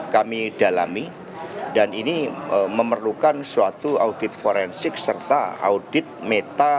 kami dalami dan ini memerlukan suatu audit forensik serta audit meta